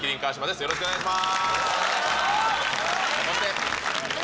よろしくお願いします。